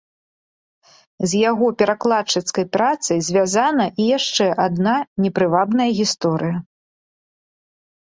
З яго перакладчыцкай працай звязана і яшчэ адна непрывабная гісторыя.